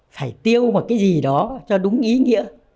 phải tiêu một cái gì đó cho đúng ý nghĩa